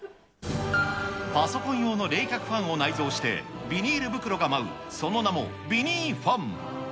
パソコン用の冷却ファンを内蔵して、ビニール袋が舞う、その名も、ビニーファン。